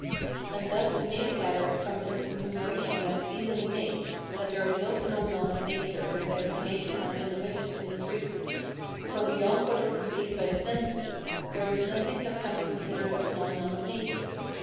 And thus it may be gathered, from an enumeration that is easily made, that there is no phenomenon of nature whose explanation has been omitted in this treatise; for beyond what is perceived by the senses, there is nothing that can be considered a phenomenon of nature.